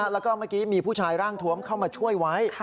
แล้วก็เมื่อกี้มีผู้ชายร่างทวมเข้ามาช่วยไว้